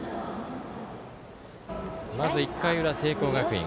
まず１回裏、聖光学院。